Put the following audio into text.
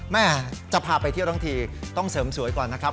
แม่จะพาไปเที่ยวทั้งทีต้องเสริมสวยก่อนนะครับ